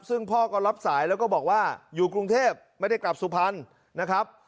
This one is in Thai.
ซึ่งพ่อก็รับสายแล้วก็บอกว่าอยู่กรุงเทพไม่ได้กลับสุพรรณนะครับ